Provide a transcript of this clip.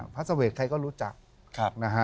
พระสวรรค์ใครก็รู้จัก